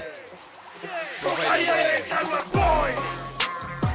masel bagaimana kabar sehat